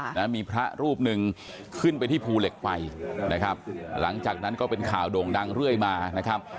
นะมีพระรูปหนึ่งขึ้นไปที่ภูเหล็กไฟนะครับหลังจากนั้นก็เป็นข่าวโด่งดังเรื่อยมานะครับ